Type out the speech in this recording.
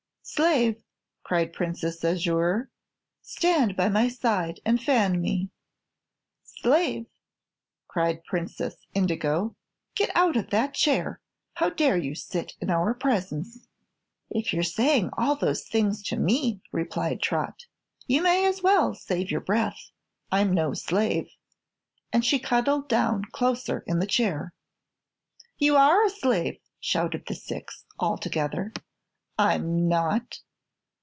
"Slave!" cried Princess Azure, "stand by my side and fan me." "Slave!" cried Princess Indigo, "get out of that chair. How dare you sit in our presence!" "If you're saying all those things to me," replied Trot, "you may as well save your breath. I'm no slave." And she cuddled down closer in the chair. "You are a slave!" shouted the six, all together. "I'm not!"